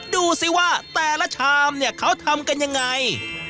ดูสิว่าแต่ละชามเนี่ยเขาทำกันยังไง